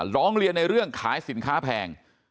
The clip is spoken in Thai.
ร้องเรียนในเรื่องขายสินค้าแพง